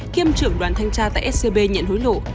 kiêm trưởng đoàn thanh tra tại scb nhận hối lộ